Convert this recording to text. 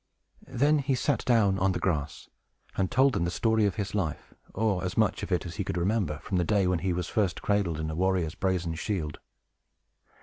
Then he sat down on the grass, and told them the story of his life, or as much of it as he could remember, from the day when he was first cradled in a warrior's brazen shield.